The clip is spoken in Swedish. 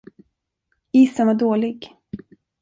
Isen var dålig.